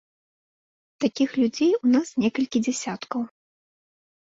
Такіх людзей у нас некалькі дзясяткаў.